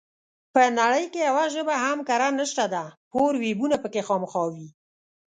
په نړۍ کې يوه ژبه هم کره نشته ده پور وييونه پکې خامخا وي